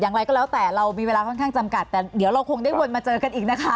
อย่างไรก็แล้วแต่เรามีเวลาค่อนข้างจำกัดแต่เดี๋ยวเราคงได้วนมาเจอกันอีกนะคะ